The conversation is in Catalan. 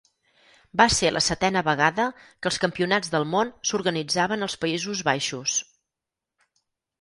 Va ser la setena vegada que els campionats del món s'organitzaven als Països Baixos.